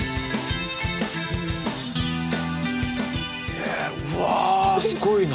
えうわすごいな。